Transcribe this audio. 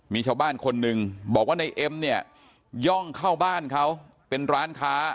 มีชาวบ้านคนหนึ่งบอกว่าในเอ็มเนี่ยย่องเข้าบ้านเขาเป็นร้านค้า